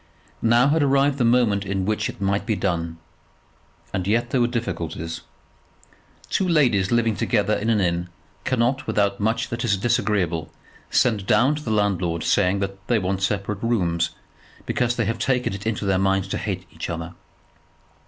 Now had arrived the moment in which it might be done. And yet there were difficulties. Two ladies living together in an inn cannot, without much that is disagreeable, send down to the landlord saying that they want separate rooms, because they have taken it into their minds to hate each other.